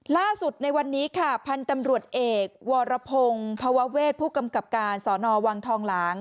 ล่าสุดในวันนี้ค่ะพันธุ์ตำรวจเอกวรพงศ์ภาวะเวศผู้กำกับการสอนอวังทองหลาง